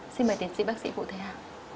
xin mời tiến sĩ bác sĩ vụ thể hạ